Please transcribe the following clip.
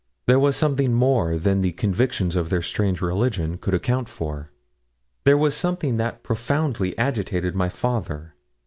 There was something more than the convictions of their strange religion could account for. There was something that profoundly agitated my father.